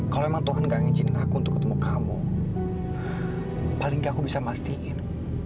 kalau emang tuhan nggak nginjinin aku untuk ketemu kamu paling enggak aku bisa mastiin